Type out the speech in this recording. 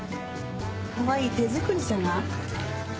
かわいい手作りじゃない？